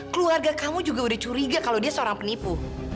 keluarga kamu juga udah curiga kalau dia seorang penipu